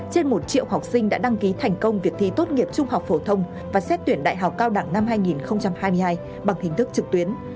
trên một triệu học sinh đã đăng ký thành công việc thi tốt nghiệp trung học phổ thông và xét tuyển đại học cao đẳng năm hai nghìn hai mươi hai bằng hình thức trực tuyến